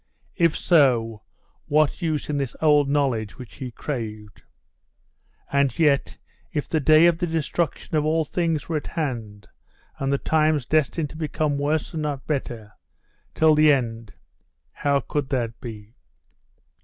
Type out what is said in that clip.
If so, what use in this old knowledge which he craved? And yet, if the day of the destruction of all things were at hand, and the times destined to become worse and not better, till the end how could that be?....